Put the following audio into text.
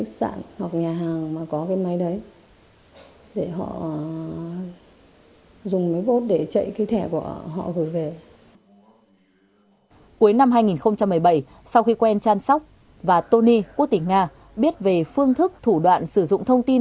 cuối năm hai nghìn một mươi bảy sau khi quen chan sóc và tony quốc tỉnh nga biết về phương thức thủ đoạn sử dụng thông tin